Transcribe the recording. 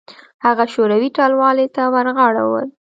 هغه شوروي ټلوالې ته ورغاړه وت.